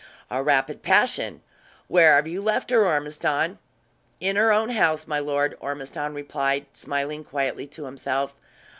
"A rapid passion. Where have you left her, Ormiston?" "In her own house, my lord," Ormiston replied, smiling quietly to himself.